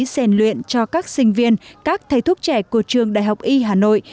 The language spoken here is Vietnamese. rèn luyện cho các sinh viên các thầy thuốc trẻ của trường đại học y hà nội